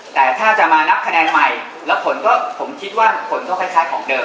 แต่ถ้าจะมานับแขนงใหม่ผมคิดว่าผลก็คล้ายของเดิม